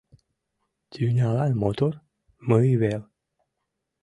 Тӱнялан мотор — мый вел?»